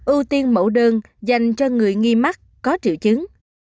ưu tiên mẫu đơn dành cho người nghi mắc có triệu chứng